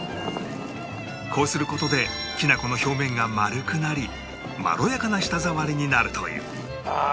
こうする事できな粉の表面が丸くなりまろやかな舌触りになるという